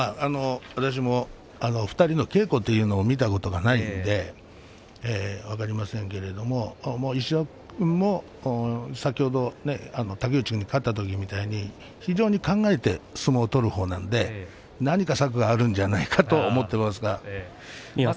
私も２人の稽古というのを見たことがないので分かりませんけれども石崎君も、先ほど竹内君に勝った時みたいに非常に考えて相撲を取る方なので何か策があるんじゃないかと思って見ていますが。